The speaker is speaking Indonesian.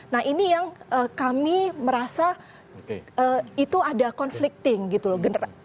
nah ini yang kami merasa itu ada conflicting gitu loh